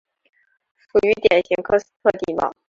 属于典型喀斯特地貌。